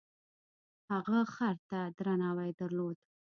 هغه خر ته درناوی درلود.